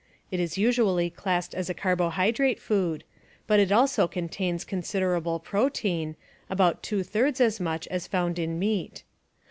It is usually classed as a carbohydrate food, but it also contains considerable protein, about two thirds as much as found in meat.